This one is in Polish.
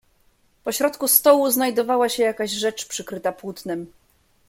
"Po środku stołu znajdowała się jakaś rzecz, przykryta płótnem."